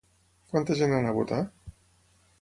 Quanta gent anà a votar?